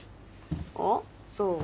あっそう？